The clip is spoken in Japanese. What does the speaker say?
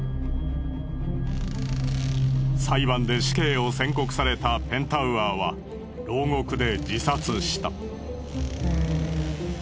裁判で死刑を宣告されたペンタウアーは牢獄で自殺した。